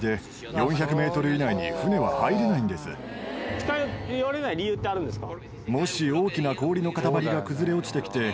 近寄れない理由ってあるんですか？